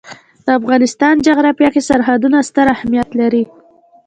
د افغانستان جغرافیه کې سرحدونه ستر اهمیت لري.